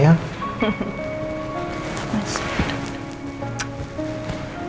apa kecepetanmu ya